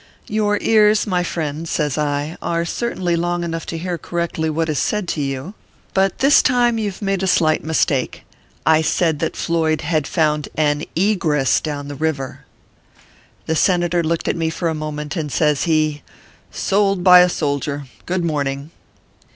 " Your ears, my friend/ says I, " are certainly long enough to hear correctly what is said to you ; ORPHEUS C. KERR PAPERS. 211 but this time you ve made a slight mistake. I said that Floyd had found mi egress down the river/ The Senator looked at me for a moment, and says he: " Sold by a soldier ! Good morning."